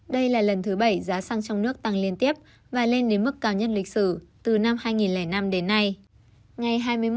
đây là lần thứ bảy giá xăng trong nước tăng liên tiếp và lên đến mức cao nhất lịch sử từ năm hai nghìn năm đến nay